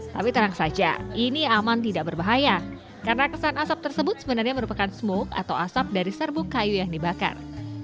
tapi terang saja ini aman tidak berbahaya karena kesan asap tersebut sebenarnya merupakan smoke atau asap dari serbuk kayu yang dibakar